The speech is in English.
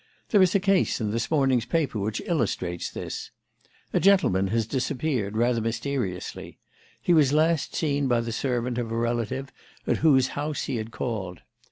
There is a case in this morning's paper which illustrates this. A gentleman has disappeared rather mysteriously. He was last seen by the servant of a relative at whose house he had called.